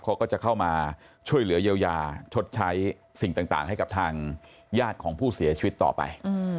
เขาก็จะเข้ามาช่วยเหลือเยียวยาชดใช้สิ่งต่างให้กับทางญาติของผู้เสียชีวิตต่อไป